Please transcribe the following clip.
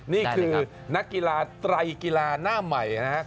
นี่คือนักกีฬาไตรกีฬาหน้าใหม่นะครับ